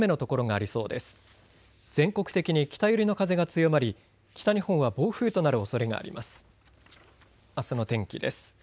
あすの天気です。